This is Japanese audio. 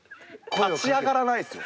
立ち上がらないですよ。